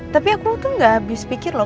tapi aku tuh gak habis pikir loh